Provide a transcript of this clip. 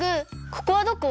ここはどこ？